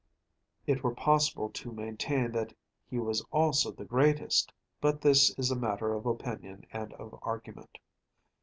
It were possible to maintain that he was also the greatest, but this is a matter of opinion and of argument.